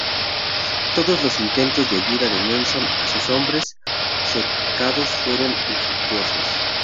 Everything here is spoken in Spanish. Todos los intentos de ayuda de Nelson a sus hombres cercados fueron infructuosos.